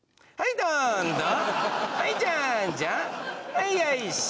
はいよいしょ。